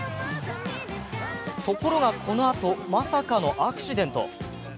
ところが、このあとまさかのアクシデント。